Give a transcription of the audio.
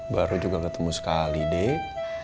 baru juga ketemu sekali deh